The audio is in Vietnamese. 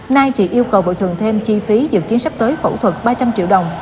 nay chị yêu cầu bồi thường thêm chi phí dự kiến sắp tới phẫu thuật ba trăm linh triệu đồng